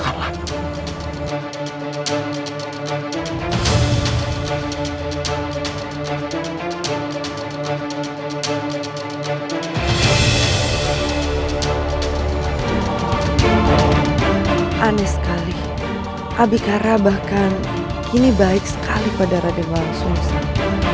aneh sekali abikara bahkan kini baik sekali pada radewan sulusan